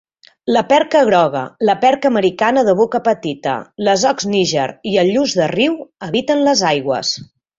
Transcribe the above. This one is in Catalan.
La perca groga, la perca americana de boca petita, l'Esox niger i el lluç de riu habiten les aigües.